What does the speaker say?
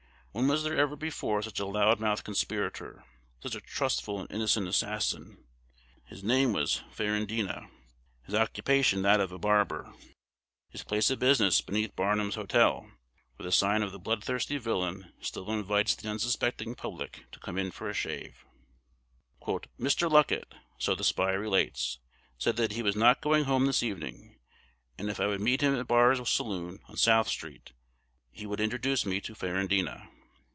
When was there ever before such a loud mouthed conspirator, such a trustful and innocent assassin! His name was Ferrandina, his occupation that of a barber, his place of business beneath Barnum's Hotel, where the sign of the bloodthirsty villain still invites the unsuspecting public to come in for a shave. "Mr. Luckett," so the spy relates, "said that he was not going home this evening; and if I would meet him at Barr's saloon, on South Street, he would introduce me to Ferrandina.